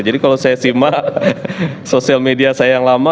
kalau saya simak sosial media saya yang lama